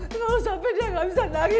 kalau sampai dia gak bisa nari